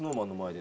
で